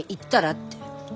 って。